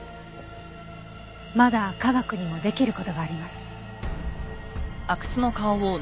まだ科学にもできる事があります。